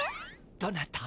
どなた？